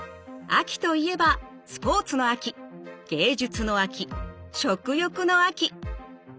秋といえばスポーツの秋芸術の秋食欲の秋。